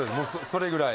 それぐらい。